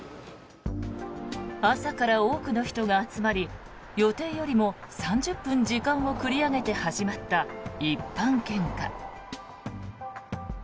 朝から多くの人が集まり予定よりも３０分時間を繰り上げて始まった一般献花。